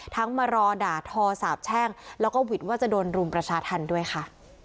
มารอด่าทอสาบแช่งแล้วก็หวิดว่าจะโดนรุมประชาธรรมด้วยค่ะ